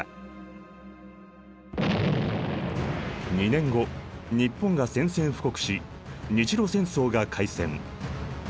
２年後日本が宣戦布告し日露戦争が開戦。